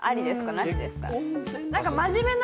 なしですか？